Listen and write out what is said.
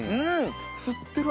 吸ってる！